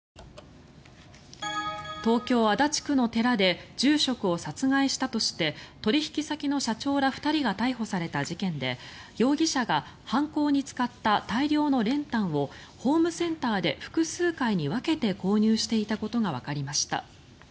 東京・足立区の寺で住職を殺害したとして取引先の社長ら２人が逮捕された事件で容疑者が犯行に使った大量の練炭をホームセンターで複数回に分けて購入していたことがわかりました。